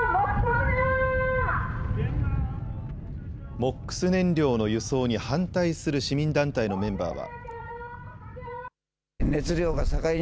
ＭＯＸ燃料の輸送に反対する市民団体のメンバーは。